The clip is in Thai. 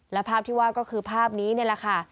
และภาพที่ว่าก็คือภาพนี้นี่แหละค่ะ